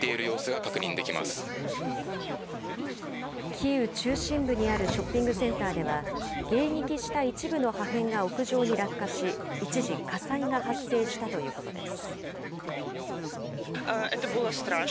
キーウ中心部にあるショッピングセンターでは、迎撃した一部の破片が屋上に落下し、一時、火災が発生したということです。